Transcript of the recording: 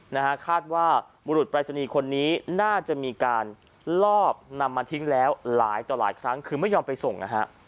นะฮะคาดว่าบุรุษปรายศนีย์คนนี้น่าจะมีการลอบนำมาทิ้งแล้วหลายต่อหลายครั้งคือไม่ยอมไปส่งนะฮะ